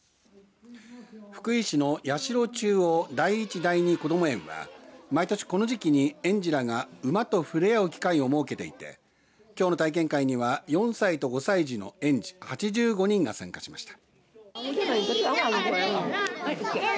福井市の社中央第一・第二こども園は毎年この時期に園児らが馬と触れ合う機会を設けていてきょうの体験会には４歳と５歳児の園児８５人が参加しました。